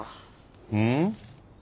うん？